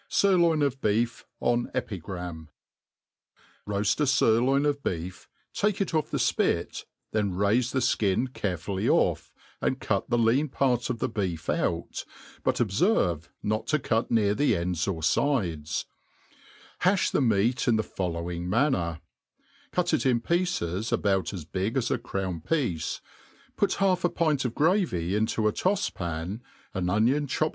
Sirloin of Beef en. Epigram. ROAST a firloin of beef, take it ofFthe fpit,* then rrffc the Ikin carefully ofF, and cut the lean part of the beef out^ but obferVB not to cut near the ends or lides ; haOi the meat in the following manner : cut it in pieces about as big as a crown piecp, put half a pmt of gravy into a tofs t)an, an omo& chopt fine.